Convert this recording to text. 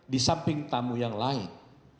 di samping tamu yang lain